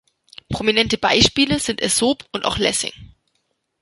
Prominente Beispiele sind Aesop und auch Lessing.